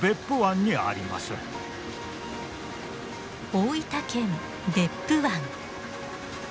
大分県別府湾。